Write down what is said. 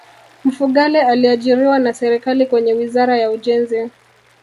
mfugale aliajiriwa na serikali kwenye wizara ya ujenzi